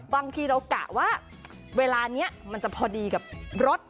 บางทีเรากะว่าเวลานี้มันจะพอดีกับรถ